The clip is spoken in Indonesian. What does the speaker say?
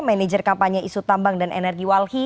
manager kampanye isu tambang dan energi walhi